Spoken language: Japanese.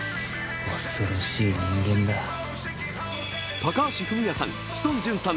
高橋文哉さん、志尊淳さん